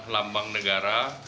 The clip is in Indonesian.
adalah lambang negara